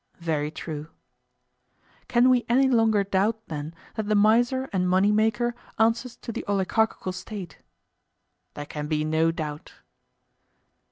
Very true. Can we any longer doubt, then, that the miser and money maker answers to the oligarchical State? There can be no doubt.